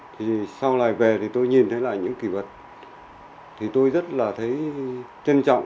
thì sau này về thì tôi nhìn thấy lại những kỷ vật thì tôi rất là thấy trân trọng